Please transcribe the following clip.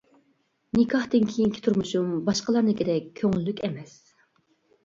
نىكاھتىن كېيىنكى تۇرمۇشۇم باشقىلارنىڭكىدەك كۆڭۈللۈك ئەمەس.